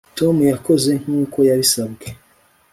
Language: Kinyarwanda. tom yakoze nkuko yabisabwe